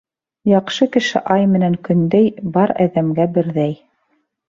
Яҡшы кеше ай менән көндәй: бар әҙәмгә берҙәй.